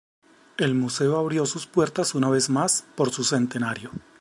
El museo abrió sus puertas una vez más por su centenario.